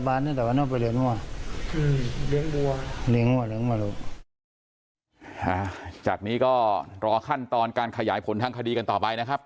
จากนี้ก็รอขั้นตอนการขยายผลทางคดีกันต่อไปนะครับ